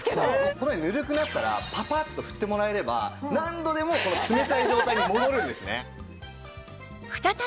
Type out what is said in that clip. このようにぬるくなったらパパッと振ってもらえれば何度でもこの冷たい状態に戻るんですね。